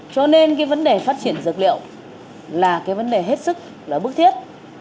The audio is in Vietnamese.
cho nên cái vấn đề phát triển dược liệu là cái vấn đề hết sức là bức thiết